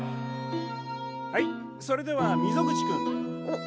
はいそれでは溝口君。